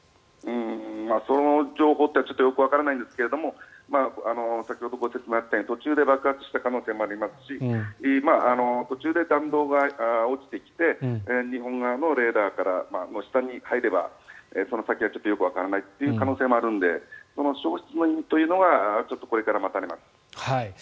その情報はちょっとよくわからないんですが先ほどご説明があったように途中で爆発した可能性もありますし途中で弾道が落ちてきて日本側のレーダーから下に入ればその先はちょっとよくわからないという可能性もあるので消失の意味というのはこれから待たれます。